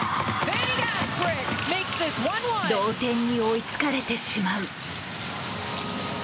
同点に追いつかれてしまう。